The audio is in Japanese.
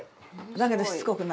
だけどしつこくない。